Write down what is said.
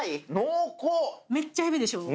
めっちゃエビでしょ？